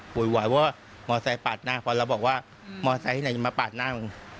โวยวายว่ามอสไซค์ปาดหน้าพอเราบอกว่ามอสไซค์ที่ไหนมาปาดหน้า